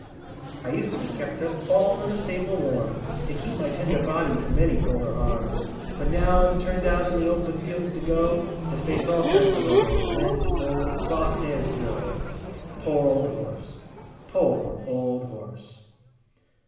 I used to be kept up All in a stable warm, To keep my tender body From any cold or harm; But now I'm turned out In the open fields to go, To face all kinds of weather, The wind, cold, frost, and snow. Poor old horse! poor old horse!